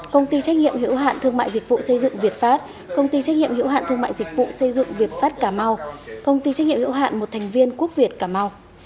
công ty trách nhiệm hữu hạn thương mại dịch vụ xây dựng việt pháp công ty trách nhiệm hiệu hạn thương mại dịch vụ xây dựng việt pháp cà mau công ty trách nhiệm hữu hạn một thành viên quốc việt cà mau